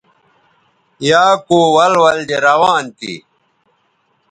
یا کو ول ول دے روان تھی